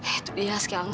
itu dia sekarang